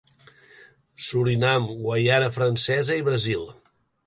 Surinam, Guaiana Francesa i Brasil.